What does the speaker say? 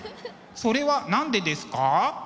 それは何でですか？